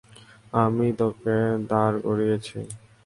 আমিই তোকে দাঁড় করিয়েছি।